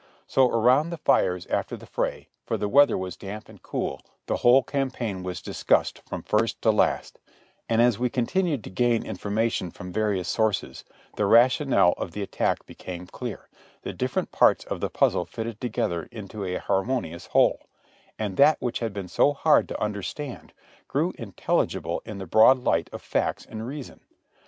So around the fires after the fray, for the weather was damp and cool, the whole campaign was discussed from first to last; and as we continued to gain information from various sources, the rationale of the attack became clear, the differ ent parts of the puzzle fitted together into a harmonious whole ; and that which had been so hard to understand, grew intelligible in the broad light of facts and reason.